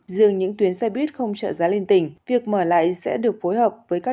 dường những tuyến xe buýt không trợ giá lên tỉnh việc mở lại sẽ được phối hợp với các